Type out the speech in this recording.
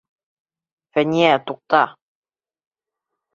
Фәниә, туҡта!